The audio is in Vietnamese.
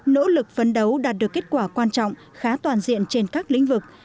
nỗ lực phấn đấu đạt được kết quả quan trọng khá toàn diện trên các lĩnh vực